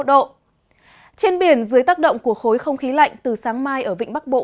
trên biển dưới tác động của khối không khí lạnh từ sáng mai ở vịnh bắc bộ